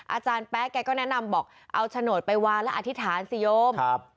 อาจารย์แป๊ะแกก็แนะนำบอกเอาโฉนดไปวางและอธิษฐานสิโยมครับ